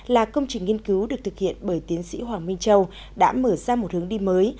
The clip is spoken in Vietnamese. là công trình nghiên cứu được thực hiện bởi tiến sĩ hoàng minh châu đã mở ra một hướng đi mới